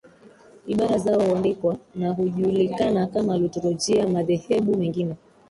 ibada zao huandikwa na hujulikana kama Liturujia Madhehebu mengine